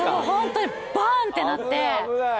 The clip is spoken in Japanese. ホントにバーンってなって。